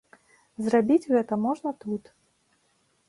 Зрабіць гэта можна тут.